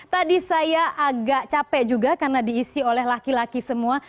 tadi saya agak capek juga karena diisi oleh laki laki semua